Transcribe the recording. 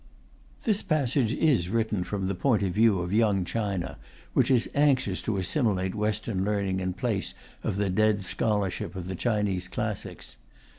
This passage is written from the point of view of Young China, which is anxious to assimilate Western learning in place of the dead scholarship of the Chinese classics.